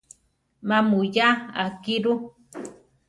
Má muyaa akí ru.